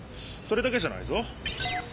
それだけじゃないぞ。